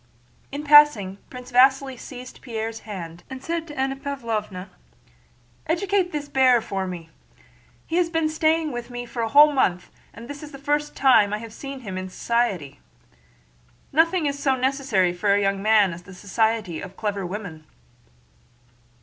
In passing Prince Vasíli seized Pierre's hand and said to Anna Pávlovna: "Educate this bear for me! He has been staying with me a whole month and this is the first time I have seen him in society. Nothing is so necessary for a young man as the society of clever women."